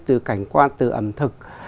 từ cảnh quan từ ẩm thực